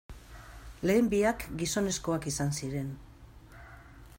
Lehen biak, gizonezkoak izan ziren.